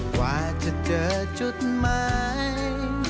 กว่าจะเจอจุดใหม่